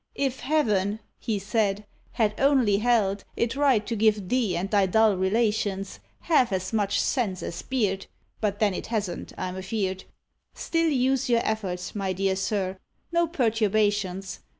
"If Heaven," he said, "had only held It right to give thee and thy dull relations Half as much sense as beard (But then it hasn't, I'm afeard); Still use your efforts, my dear sir no perturbations.